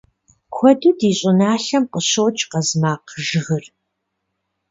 Куэду ди щӏыналъэм къыщокӏ къазмакъжыгыр.